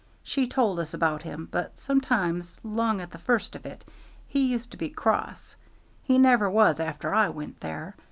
She'd told us about him, but sometimes, 'long at the first of it, he used to be cross. He never was after I went there.